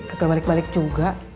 gagal balik balik juga